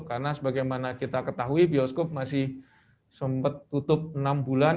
karena sebagaimana kita ketahui bioskop masih sempat tutup enam bulan